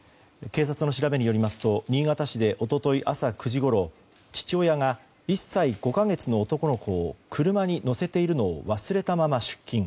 警察の調べによりますと一昨日朝９時ごろ父親が１歳５か月の男の子を車に乗せているのを忘れたまま出勤。